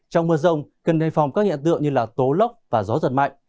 trong mưa rông cần đề phòng các hiện tượng như tố lốc và gió giật mạnh